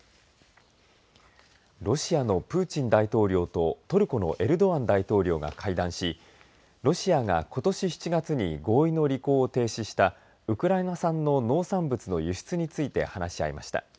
ロシアのプーチン大統領とトルコのエルドアン大統領が会談し、ロシアがことし７月に合意の履行を停止したウクライナ産の農産物の輸出について話し合いました。